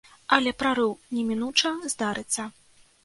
Але прарыў немінуча здарыцца.